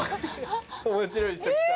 面白い人来た。